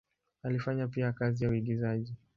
Alifanya pia kazi ya uigizaji.